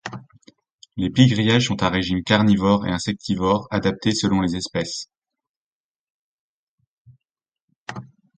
Les pies-grièches ont un régime carnivore et insectivore adapté selon les espèces.